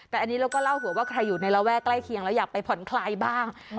แต่อันนี้เราก็เล่าหัวว่าใครอยู่ในระแวกใกล้เคียงแล้วอยากไปผ่อนคลายบ้าง